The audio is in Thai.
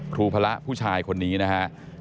ครูพระผู้ชายคนนี้นะฮะ